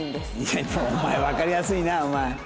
いやお前わかりやすいなお前。